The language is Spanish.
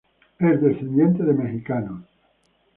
Es descendiente de mexicanos.